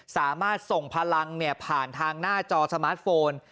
สามารถส่งพลังผ่านทางหน้าจอสมาร์ทโฟน